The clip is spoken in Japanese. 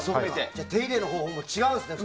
じゃあ、手入れの方法も違うんですね